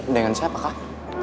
dengan siapa kak